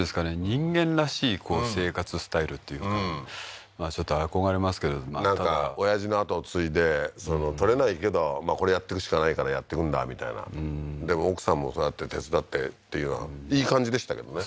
人間らしい生活スタイルっていうかちょっと憧れますけれどただオヤジの後を継いで獲れないけどこれやってくしかないからやってくんだみたいなでも奥さんもそうやって手伝ってっていうのはいい感じでしたけどね